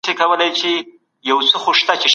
د بخملي ټوکرانو بیه د نورو په پرتله ولي لوړه وه؟